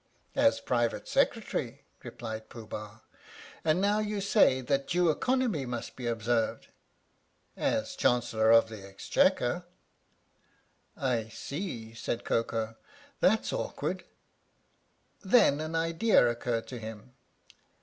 ' "As Private Secretary," replied Pooh Bah. "And now you say that due economy must be observed." " As Chancellor of the Exchequer." " I see," said Koko, " that's awkward." Then an idea occurred to him.